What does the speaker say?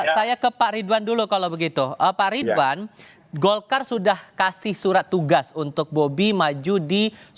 saya ke pak ridwan dulu kalau begitu pak ridwan golkar sudah kasih surat tugas untuk bobi maju di dua ribu sembilan belas